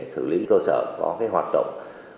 xử lý cơ sở có hoạt động